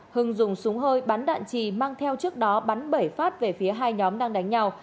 hưng dùng súng hơi bắn đạn trì mang theo trước đó bắn bảy phát về phía hai nhóm đang đánh nhau